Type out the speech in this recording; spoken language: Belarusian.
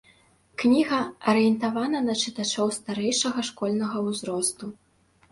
Кніга арыентавана на чытачоў старэйшага школьнага узросту.